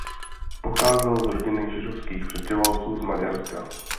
Pocházel z rodiny židovských přistěhovalců z Maďarska.